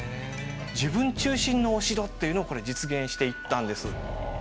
自分中心のお城っていうのをこれ実現していったんです。